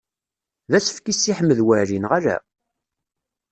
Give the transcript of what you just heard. D asefk i Si Ḥmed Waɛli, neɣ ala?